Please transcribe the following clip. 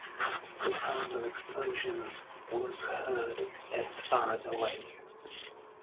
The sound of explosions was heard as far as away.